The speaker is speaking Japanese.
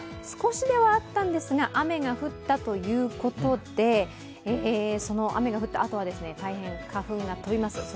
少しではあったんですが雨が降ったということで雨が降ったあとは大変花粉が飛びます。